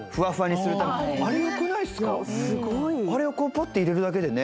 すごいあれをこうパッて入れるだけでね